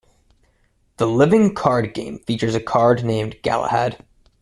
The living card game features a card named Galahad.